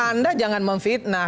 anda jangan mau fitnah